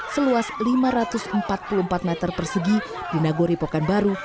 seluas lima ratus empat puluh empat meter persegi di nagori pokanbaru